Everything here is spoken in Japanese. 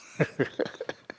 ハハハハ。